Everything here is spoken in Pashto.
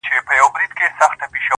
• کلونه وروسته هم يادېږي تل,